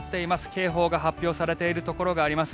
警報が発表されているところがあります。